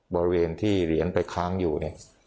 บริเวณที่เหรียญไปค้างอยู่เนี่ย